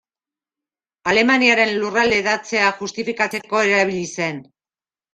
Alemaniaren lurralde-hedatzea justifikatzeko erabili zen.